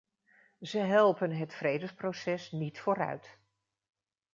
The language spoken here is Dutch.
Ze helpen het vredespoces niet vooruit.